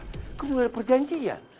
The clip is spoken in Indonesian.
aku juga ada perjanjian